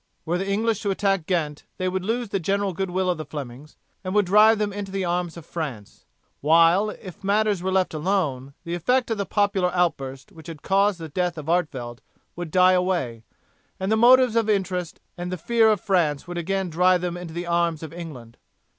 Were the English to attack Ghent they would lose the general goodwill of the Flemings, and would drive them into the arms of France, while, if matters were left alone, the effect of the popular outburst which had caused the death of Artevelde would die away, and motives of interest and the fear of France would again drive them into the arms of England.